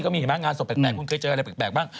ก็มีเห็นไหมงานศพแปลกคุณเคยเจออะไรแปลกบ้าง